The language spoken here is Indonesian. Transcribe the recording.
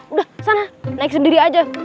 udah sana naik sendiri aja